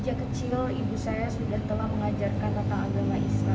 sejak kecil ibu saya sudah telah mengajarkan tentang agama islam